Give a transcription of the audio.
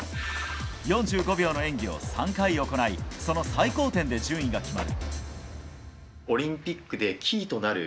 ４５秒の演技を３回行いその最高点で順位が決まる。